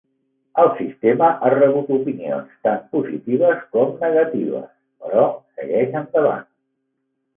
El sistema ha rebut opinions tant positives com negatives, però segueix endavant.